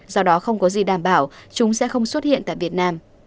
do đó không có gì đảm bảo chúng sẽ không xuất hiện tại việt nam